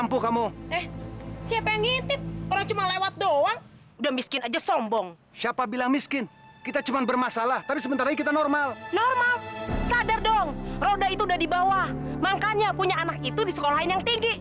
jika senurable untuk warna warnanya tidak melekat diribetkan bagi arng arng anal atau batu benda ini